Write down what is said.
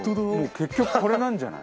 結局これなんじゃない？